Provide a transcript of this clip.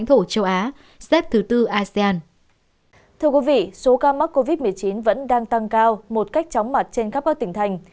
thưa quý vị số ca mắc covid một mươi chín vẫn đang tăng cao một cách chóng mặt trên khắp các tỉnh thành